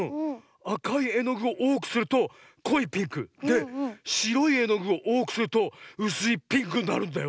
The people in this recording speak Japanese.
あかいえのぐをおおくするとこいピンク。でしろいえのぐをおおくするとうすいピンクになるんだよ。